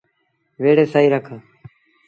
ويڙي سهيٚ رک۔